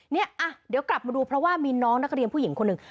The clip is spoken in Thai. เนี่ยเดี๋ยวกลับมาดูเพราะว่ามีน้องนักเรียนผู้หญิงคนหนึ่ง